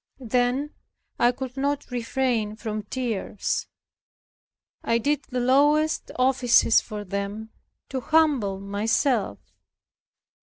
Then I could not refrain from tears. I did the lowest offices for them to humble myself.